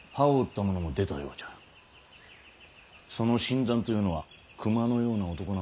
その新参というのは熊のような男なのか。